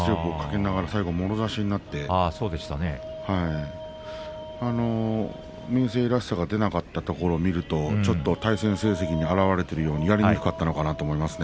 最後もろ差しになって明生らしさが出なかったところを見ると、対戦成績に現れているようにやりにくかったのかもしれませんね。